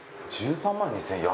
１３万２０００円。